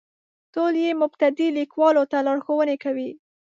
ټول یې مبتدي لیکوالو ته لارښوونې کوي.